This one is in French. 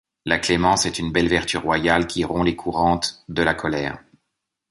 La clémence est une belle vertu royale qui rompt les courantes de la colère.